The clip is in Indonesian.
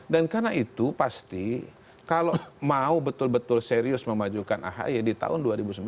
dan karena itu pasti kalau mau betul betul serius memajukan ahi di tahun dua ribu sembilan belas